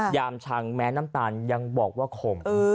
ยามชังแม้น้ำตาลยังบอกว่าข่ม